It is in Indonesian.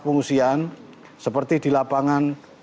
pengungsian seperti di lapangan